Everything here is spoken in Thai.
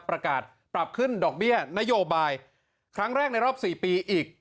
ประกาศปรับขึ้นดอกเบี้ยนโยบายครั้งแรกในรอบ๔ปีอีก